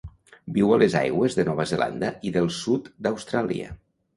Viu a les aigües de Nova Zelanda i del sud d'Austràlia.